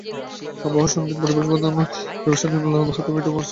আবহ সংগীত পরিবেশন করেন নির্মল মাহাতো, মিঠু দাস, রাশিয়ান চন্দ্র, আশিকুর রহমান।